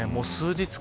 数日間